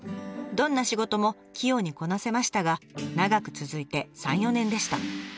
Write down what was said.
どんな仕事も器用にこなせましたが長く続いて３４年でした。